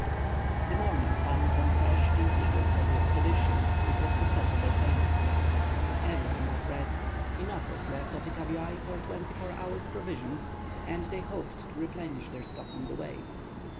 The morning found them fresh and eager for the expedition which was to settle their fate. Everything was ready. Enough was left of the cabiai for twenty four hours' provisions, and they hoped to replenish their stock on the way.